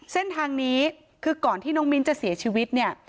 เส้นทางนี้คือก่อนที่น้องมิ้นจะเสียชีวิตเนี่ย